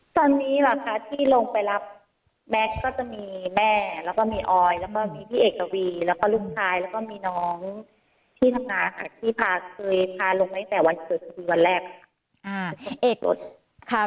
ตอนนี้เหรอคะที่ลงไปรับแมทก็จะมีแม่แล้วก็มีออยแล้วก็มีพี่เอกวีแล้วก็ลูกชายแล้วก็มีน้องที่ทำงานค่ะที่พาเคยพาลงตั้งแต่วันเกิดคดีวันแรกค่ะ